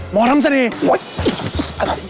หมอทำเสน่ห์